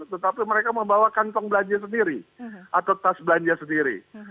tetapi mereka membawa kantong belanja sendiri atau tas belanja sendiri